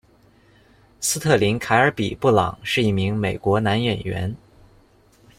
斯特林·凯尔比·布朗是一名美国男演员。